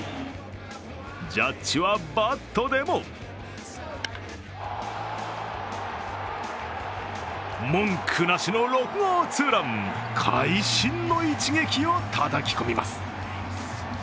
ジャッジはバットでも文句なしの６号ツーラン、会心の一撃をたたき込みます。